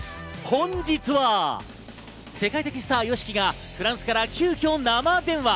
本日は世界的スターＹＯＳＨＩＫＩがフランスから急きょ生電話。